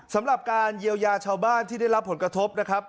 สำหรับการเยียวยาชาวบ้านที่ได้รับผลกระทบนะครับ